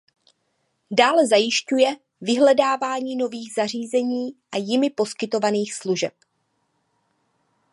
Dále zajišťuje vyhledávání nových zařízení a jimi poskytovaných služeb.